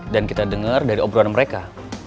dan kita denger dari obrolan mereka